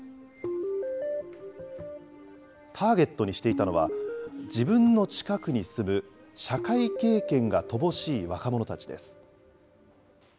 ターゲットにしていたのは、自分の近くに住む社会経験が乏しい若者たちです。